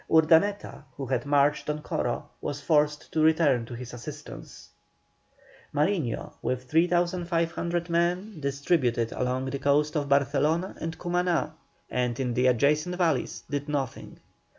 Urdaneta, who had marched on Coro, was forced to return to his assistance. Mariño, with 3,500 men distributed along the coasts of Barcelona and Cumaná, and in the adjacent valleys, did nothing.